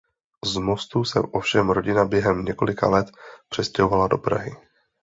Z Mostu se ovšem rodina během několika let přestěhovala do Prahy.